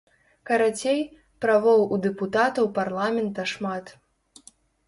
Карацей, правоў у дэпутатаў парламента шмат.